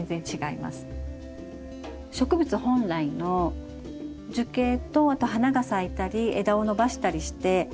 植物本来の樹形とあと花が咲いたり枝を伸ばしたりして。